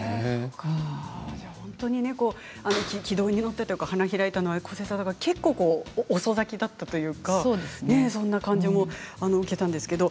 本当に軌道に乗ってというか花開いたのはこづえさんの場合は結構、遅咲きだったというかそんな感じも受けたんですけれど